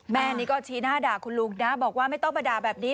แม่นี่ก็ชี้หน้าด่าคุณลุงนะบอกว่าไม่ต้องมาด่าแบบนี้